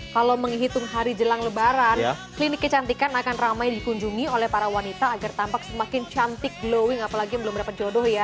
kalau menghitung hari jelang lebaran klinik kecantikan akan ramai dikunjungi oleh para wanita agar tampak semakin cantik glowing apalagi belum dapat jodoh ya